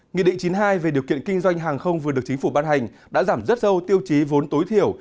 nghị định chín mươi hai về điều kiện kinh doanh hàng không vừa được chính phủ ban hành đã giảm rất sâu tiêu chí vốn tối thiểu